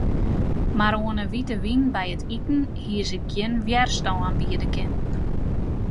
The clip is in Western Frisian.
Mar oan 'e wite wyn by it iten hie se gjin wjerstân biede kinnen.